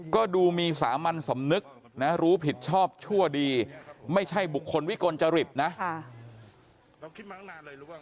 ก็ดูมีสามัญสำนึกนะรู้ผิดชอบชั่วดีไม่ใช่บุคคลวิกลจริตนะ